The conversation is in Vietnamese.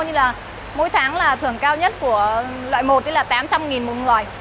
như là mỗi tháng là thưởng cao nhất của loại một là tám trăm linh một người